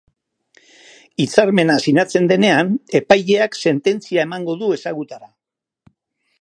Hitzarmena sinatzen denean, epaileak sententzia emango du ezagutara.